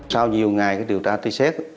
sau nhiều ngày điều tra truy xét